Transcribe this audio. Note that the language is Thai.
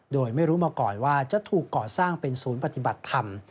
โดยไม่รู้มาก่อนว่าจะถูกก่อสร้างเป็นศูนย์ปฏิบัติธรรม